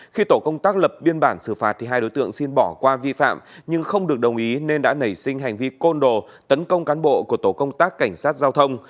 khi tổ công tác lập biên bản xử phạt hai đối tượng xin bỏ qua vi phạm nhưng không được đồng ý nên đã nảy sinh hành vi côn đồ tấn công cán bộ của tổ công tác cảnh sát giao thông